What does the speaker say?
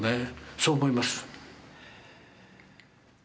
そう思います。